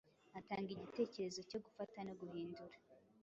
atanga igitekerezo cyo gufata no guhindura